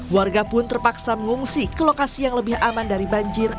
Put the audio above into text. warga pun terpaksa mengungsi ke lokasi yang lebih aman dari banjir